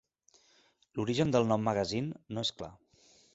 L'origen del nom "magazine" no és clar.